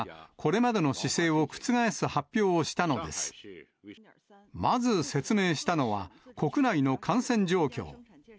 まず説明したのは、国内の感染状況。